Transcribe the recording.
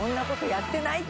やってないって。